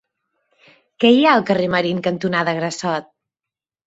Què hi ha al carrer Marín cantonada Grassot?